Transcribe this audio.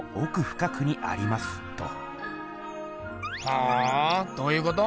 ほおどういうこと？